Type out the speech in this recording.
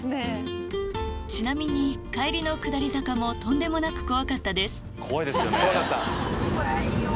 ちなみに帰りの下り坂もとんでもなく怖かったです